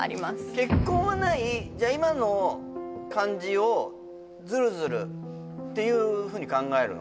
結婚はないじゃあ今の感じをズルズルっていうふうに考えるの？